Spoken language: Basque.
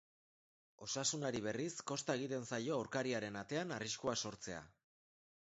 Osasunari, berriz, kosta egiten ari zaio aurkariaren atean arriskua sortzea.